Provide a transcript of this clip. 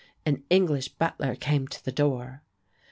An English butler came to the door.